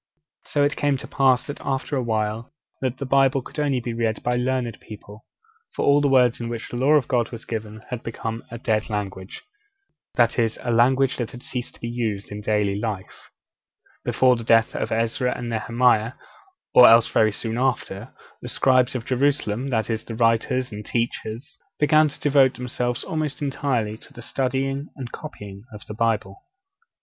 So it came to pass, after a while, that the Bible could only be read by the learned people; for the words in which the Law of God was given had become a 'dead language' that is, a language that had ceased to be used in daily life at all. Before the death of Ezra and Nehemiah, or else very soon after, the scribes of Jerusalem that is, the writers and teachers began to devote themselves almost entirely to the studying and copying of the Bible.